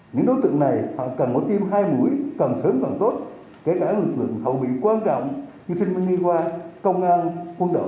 những đối tượng này họ cần bỏ tiêm hai mũi cần sớm càng tốt kể cả lực lượng hậu bị quan trọng như sinh viên hoa công an quân đội